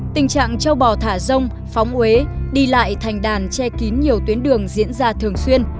tình trạng châu bò thả rông phóng huế đi lại thành đàn che kín nhiều tuyến đường diễn ra thường xuyên